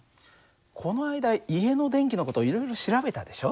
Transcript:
この間家の電気の事をいろいろ調べたでしょ。